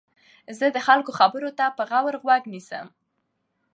زه د خلکو خبرو ته په غور غوږ نیسم.